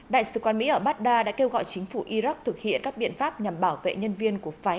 đại sứ quán mỹ ở baghdad đã kêu gọi chính phủ iraq thực hiện các biện pháp nhằm bảo vệ nhân viên của phái